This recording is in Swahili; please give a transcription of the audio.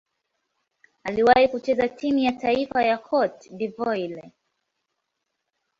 Aliwahi kucheza timu ya taifa ya Cote d'Ivoire.